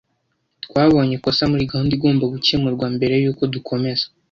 Twabonye ikosa muri gahunda igomba gukemurwa mbere yuko dukomeza.